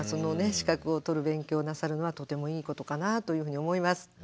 資格を取る勉強をなさるのはとてもいいことかなというふうに思います。